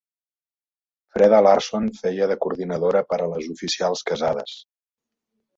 Freda Larsson feia de coordinadora per a les oficials casades.